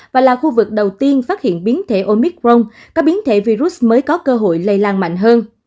và là khu vực đầu tiên phát hiện biến thể omicron các biến thể virus mới có cơ hội lây lan mạnh hơn